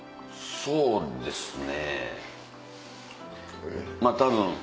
「そうですね」。